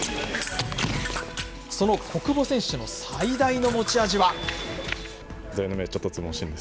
その小久保選手の最大の持ち味は。